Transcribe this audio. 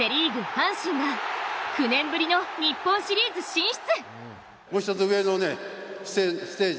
阪神が９年ぶりの日本シリーズ進出。